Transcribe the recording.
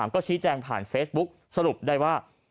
ก็ชี้แจงผ่านเฟซบุ๊กสรุปได้ว่า